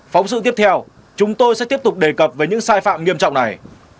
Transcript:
phóng sự tiếp theo chúng tôi sẽ tiếp tục đề cập về những sai phạm nghiêm trọng này